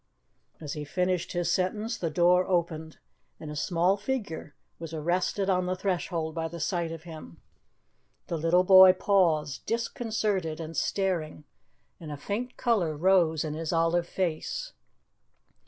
As he finished his sentence the door opened and a small figure was arrested on the threshold by the sight of him. The little boy paused, disconcerted and staring, and a faint colour rose in his olive face.